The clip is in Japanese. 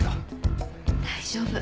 大丈夫。